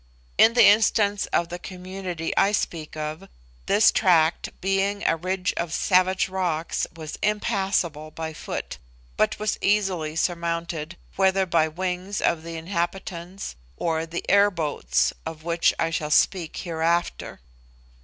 In the instance of the community I speak of, this tract, being a ridge of savage rocks, was impassable by foot, but was easily surmounted, whether by the wings of the inhabitants or the air boats, of which I shall speak hereafter.